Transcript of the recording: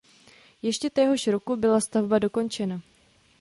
Ještě téhož roku byla stavba dokončena.